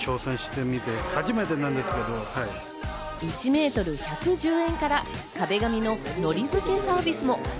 １メートル１１０円から壁紙ののり付けサービスも。